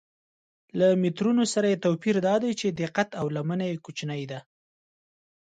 له مترونو سره یې توپیر دا دی چې دقت او لمنه یې کوچنۍ ده.